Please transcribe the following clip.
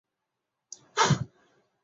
是小泉政权重要的阁员之一。